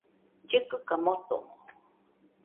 Llɨkɨka motomo